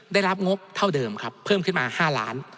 ได้รับงบเท่าเดิมครับเพิ่มขึ้นมา๕ล้าน